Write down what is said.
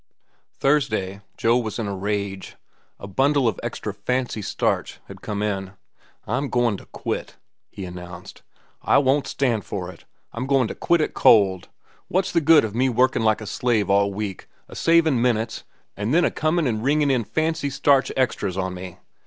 Thursday, Joe was in a rage. A bundle of extra "fancy starch" had come in. "I'm goin' to quit," he announced. "I won't stand for it. I'm goin' to quit it cold. What's the good of me workin' like a slave all week, a savin' minutes, an' them a comin' an' ringin' in fancy starch extras on me?